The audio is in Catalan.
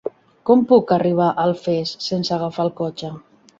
Com puc arribar a Alfés sense agafar el cotxe?